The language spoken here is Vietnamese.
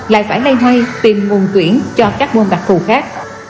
lại phải lây hơi tìm nguồn tuyển cho các môn đặc thù khác